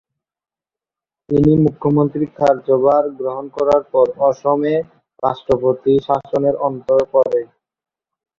তিনি মুখ্যমন্ত্রীর কার্যভার গ্রহণ করার পর অসমে রাষ্ট্রপতি শাসনের অন্ত পরে।